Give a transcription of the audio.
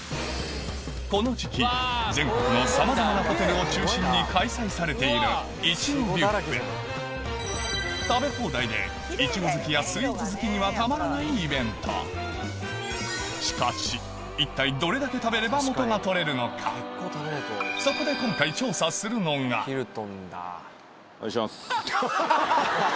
この時期全国のさまざまなホテルを中心に開催されているいちごビュッフェ食べ放題でいちご好きやスイーツ好きにはたまらないイベントしかし一体そこでお願いします。